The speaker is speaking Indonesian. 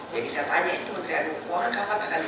jadi saya tanya kementerian keuangan kapan akan diturunkan